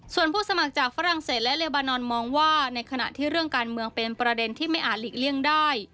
ส่วนผู้สมัครจากฝรั่งเศสและเลบานอนมองว่าในขณะที่เรื่องการเมืองเป็นประเด็นที่ไม่อาจหลีกเลี่ยงได้